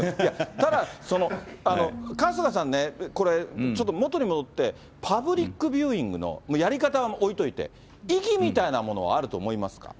ただ、春日さんね、これ、ちょっと元に戻って、パブリックビューイングの、やり方は置いといて、意義みたいなものはあると思いますか？